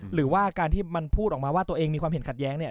หรือว่าการที่มันพูดออกมาว่าตัวเองมีความเห็นขัดแย้งเนี่ย